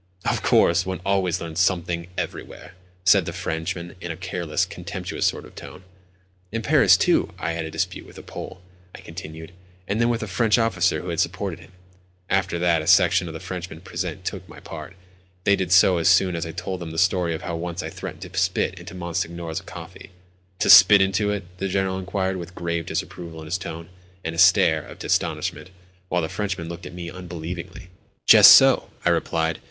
"Of course, one always learns something everywhere," said the Frenchman in a careless, contemptuous sort of tone. "In Paris, too, I had a dispute with a Pole," I continued, "and then with a French officer who supported him. After that a section of the Frenchmen present took my part. They did so as soon as I told them the story of how once I threatened to spit into Monsignor's coffee." "To spit into it?" the General inquired with grave disapproval in his tone, and a stare, of astonishment, while the Frenchman looked at me unbelievingly. "Just so," I replied.